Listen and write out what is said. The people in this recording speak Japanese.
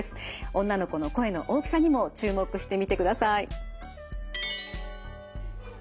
女の子の声の大きさにも注目してみてください。